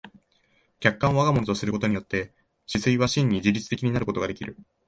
客観を我が物とすることによって思惟は真に自律的になることができる。